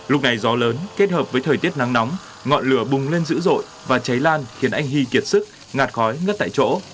lúc này gió lớn kết hợp với thời tiết nắng nóng ngọn lửa bùng lên dữ dội và cháy lan khiến anh hy kiệt sức ngạt khói ngất tại chỗ